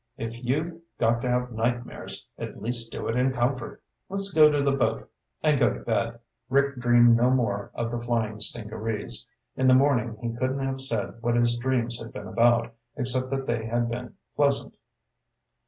"If you've got to have nightmares, at least do it in comfort. Let's go to the boat and go to bed." Rick dreamed no more of the flying stingarees. In the morning he couldn't have said what his dreams had been about, except that they had been pleasant.